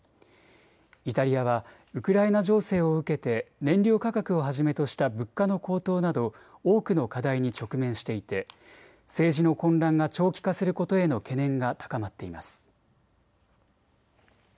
イタリアはウクライナ情勢を受けて燃料価格をはじめとした物価の高騰など多くの課題に直面していて政治の混乱が長期化することへの懸念が高まっています。